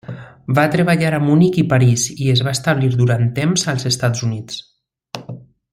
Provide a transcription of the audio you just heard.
Va treballar a Munic i París i es va establir durant temps als Estats Units.